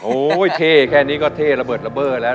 เท่แค่นี้ก็เท่ระเบิดระเบิดแล้ว